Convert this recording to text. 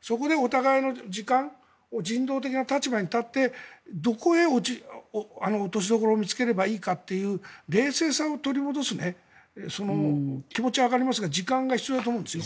そこでお互いの時間を人道的な立場に立ってどこへ落としどころを見つければいいかという冷静さを取り戻す気持ちはわかりますが時間が必要だと思いますね。